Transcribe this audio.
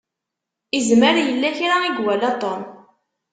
Izmer yella kra i iwala Tom.